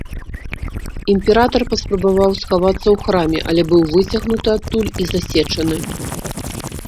Імператар паспрабаваў схавацца ў храме, але быў выцягнуты адтуль і засечаны.